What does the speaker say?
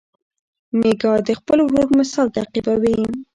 میکا د خپل ورور مثال تعقیبوي.